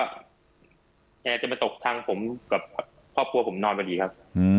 แกจะมาตกทางผมกับครอบครัวผมนอนพอดีครับ